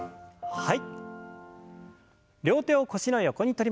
はい。